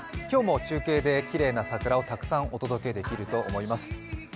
今日も中継できれいな桜をたくさんお届けできると思います。